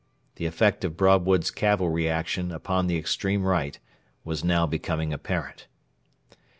The effect of Broadwood's cavalry action upon the extreme right was now becoming apparent.